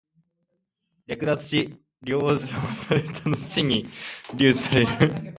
略奪し、凌辱したのちに留置される。